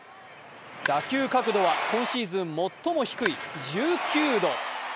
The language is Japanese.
打球角度は今シーズン最も低い１９度。